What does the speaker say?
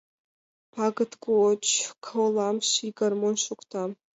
Пагыт гоч колам — ший гармонь шокта.